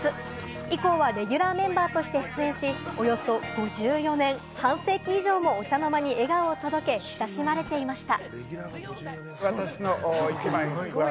以降はレギュラーメンバーとして出演し、およそ５４年、半世紀以上もお茶の間に笑顔を届け親しまれていました。